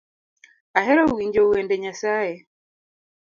Ahero winjo wende nyasae